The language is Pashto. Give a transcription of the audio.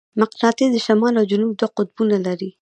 مقناطیس د شمال او جنوب دوه قطبونه لري.